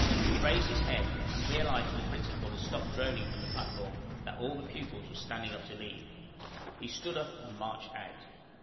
He raised his head and realized that the principal had stopped droning from the platform, that all the pupils were standing up to leave. He stood up and marched out.